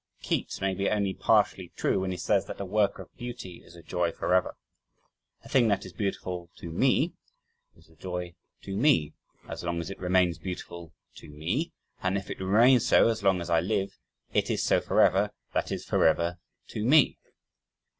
Keats may be only partially true when he says that "A work of beauty is a joy forever" a thing that is beautiful to ME, is a joy to ME, as long as it remains beautiful to ME and if it remains so as long as I live, it is so forever, that is, forever to ME.